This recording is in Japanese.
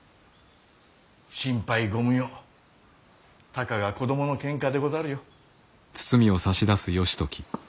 心配ご無用たかが子供のケンカでござるよ。